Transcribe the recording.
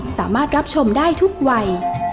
สามารถรับชมได้ทุกวัย